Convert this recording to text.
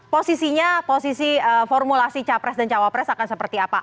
posisinya posisi formulasi capres dan cawapres akan seperti apa